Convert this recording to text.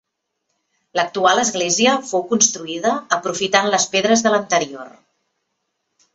L'actual església fou construïda aprofitant les pedres de l'anterior.